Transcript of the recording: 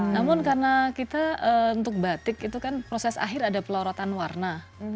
namun karena kita untuk batik itu kan proses akhir ada pelorotan warna